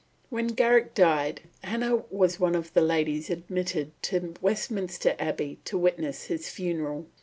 When Garrick died, Hannah was one of the ladies admitted to Westminster Abbey to witness his funeral.